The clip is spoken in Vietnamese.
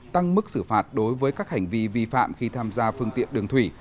tăng mức xử phạt đối với các hành vi vi phạm khi tham gia phương tiện đường thủy